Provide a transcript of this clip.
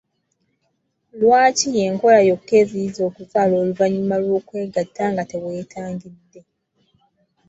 Lwaki y'enkola yokka eziyiza okuzaala oluvannyuma lw'okwegatta nga teweetangidde.